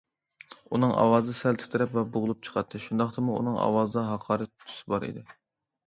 ئۇنىڭ ئاۋازى سەل تىترەپ ۋە بوغۇلۇپ چىقاتتى، شۇنداقتىمۇ ئۇنىڭ ئاۋازىدا ھاقارەت تۈسى بار ئىدى.